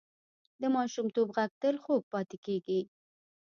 د ماشومتوب غږ تل خوږ پاتې کېږي